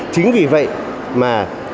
chính vì vậy mà